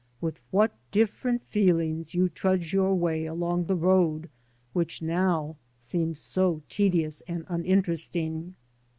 With what different feelings you trudge your way along the road which now seems so tedious and uninteresting